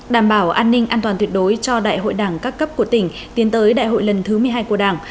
đảm bảo an ninh an toàn tuyệt đối cho đại hội đảng các cấp của tỉnh tiến tới đại hội lần thứ một mươi hai của đảng